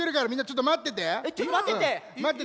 ちょっとまってって。